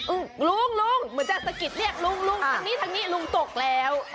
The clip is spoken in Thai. อื้มลุงเหมือนจะสะกิดเรียกลุงทางนี้ลุงตกแล้ว